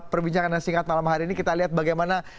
perbincangan yang singkat malam hari ini kita lihat bagaimana